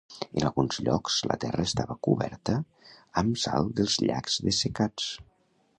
En alguns llocs, la terra estava coberta amb salt dels llacs dessecats.